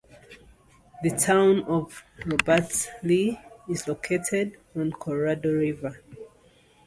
The town of Robert Lee is located on the Colorado River.